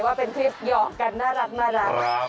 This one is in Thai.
ว่าเป็นคลิปหย่อกันน่ารักนะคะ